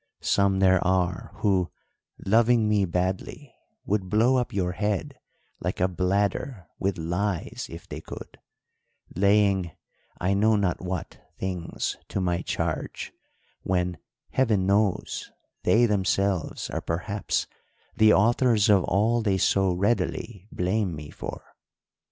Some there are, who, loving me badly, would blow up your head like a bladder with lies if they could, laying I know not what things to my charge, when heaven knows they themselves are perhaps the authors of all they so readily blame me for.'